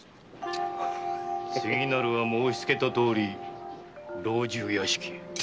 次は申しつけたとおり老中屋敷へ。